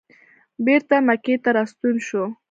بېرته مکې ته راستون شو.